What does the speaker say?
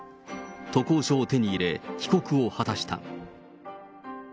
渡航書を手に入れ、帰国を果たした。